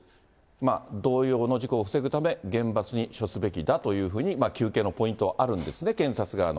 同様の事故を防ぐため、厳罰に処すべきだと求刑のポイントはあるんですね、検察側の。